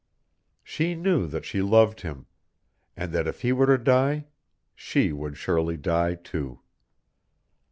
She knew that she loved him; and that if he were to die, she would surely die too.